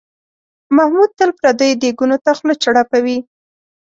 محمود تل پردیو دیګونو ته خوله چړپوي.